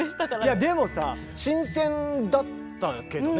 いやでもさ新鮮だったけどね